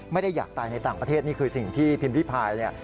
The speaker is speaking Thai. ไม่ได้อยากตายในต่างประเทศนี่คือสิ่งที่พิมพิพายเนี่ย